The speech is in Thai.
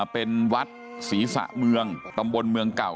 เป็นวัดศรีสะเมืองตำบลเมืองเก่า